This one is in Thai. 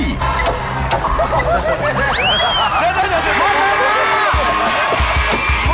หมดแล้ว